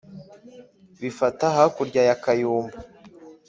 Bifata hakurya ya Kayumbu